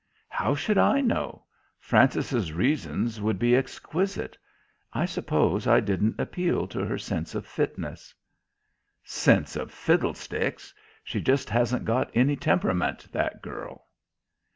"How should I know? Frances's reasons would be exquisite. I suppose I didn't appeal to her sense of fitness." "Sense of fiddlesticks. She just hasn't got any temperament, that girl."